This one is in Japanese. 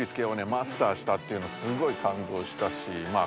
マスターしたっていうのすごい感動したしまあ